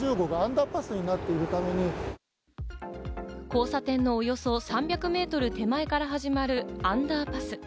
交差点のおよそ３００メートル手前から始まるアンダーパス。